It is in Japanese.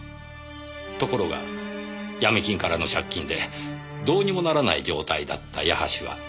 ところが闇金からの借金でどうにもならない状態だった矢橋は。